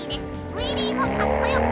ウイリーもかっこよく！